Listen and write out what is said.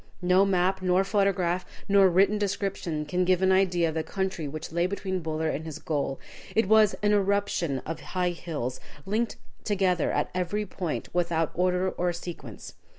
No map, nor photograph, nor written description can give an idea of the country which lay between Buller and his goal. It was an eruption of high hills, linked together at every point without order or sequence.